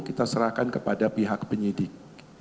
kita serahkan kepada pihak penyidik